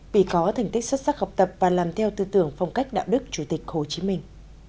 vì có thành tích xuất sắc học tập và làm theo tư tưởng phong cách đạo đức chủ tịch hồ chí minh